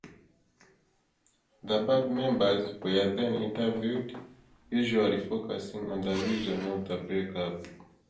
The band members were then interviewed, usually focusing on the reasons of the breakup.